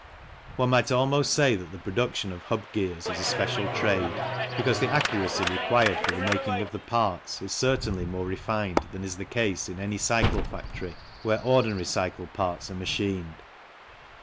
One might almost say that the production of hub gears is a special trade, because the accuracy, required for the making of the parts is certainly more refined than is the case in any cycle factory where ordinary 62 THE CYCLE INDUSTRY cycle parts are machined.